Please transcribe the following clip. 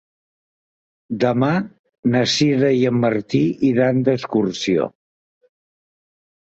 Demà na Sira i en Martí iran d'excursió.